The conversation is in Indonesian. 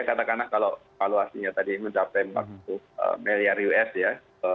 katakanlah kalau valuasinya tadi mencapai empat puluh miliar us ya